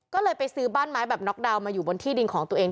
ก็เลยไปซื้อบ้านไม้แบบน็อกดาวน์มาอยู่บนที่ดินของตัวเอง